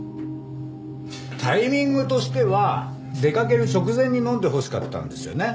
タイミングとしては出かける直前に飲んでほしかったんですよね？